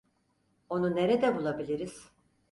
Onu nerede bulabiliriz?